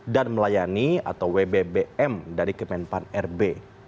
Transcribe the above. dan melayani atau wbbm dari kemenpan rb